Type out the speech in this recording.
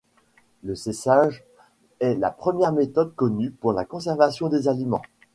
Le séchage est la première méthode connue pour la conservation des aliments.